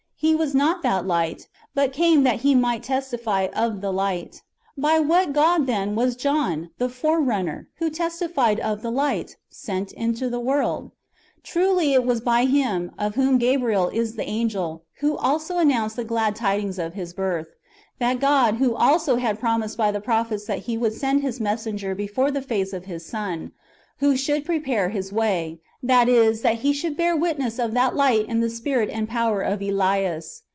He was not that Light, but [came] that he might testify of the Light." ^ By what God, then, was John, the forerunner, who testifies of the Light, sent [into the world] ? Truly it was by Him, of whom Gabriel is the angel, who also announced the glad tidings of his birth : [that God] who also had promised by the prophets that He would send His messenger before the face of His Son,^ who should prepare His way, that is, that he should bear witness of that Light in the spirit and power of Elias.